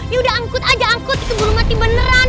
ya udah angkut aja angkut itu belum mati beneran